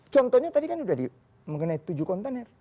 contohnya tadi kan udah mengenai tujuh kontener